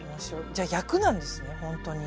じゃあ「役」なんですね本当に。